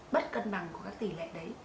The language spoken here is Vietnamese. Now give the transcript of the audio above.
bất cân bằng của các tỷ lệ đấy